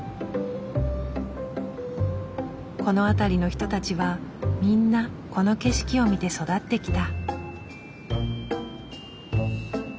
この辺りの人たちはみんなこの景色を見て育ってきた。